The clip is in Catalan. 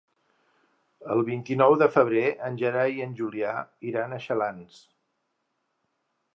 El vint-i-nou de febrer en Gerai i en Julià iran a Xalans.